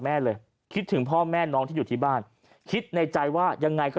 แม่เลยคิดถึงพ่อแม่น้องที่อยู่ที่บ้านคิดในใจว่ายังไงก็